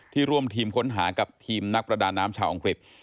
ร่วมทีมค้นหากับทีมนักประดาน้ำชาวอังกฤษ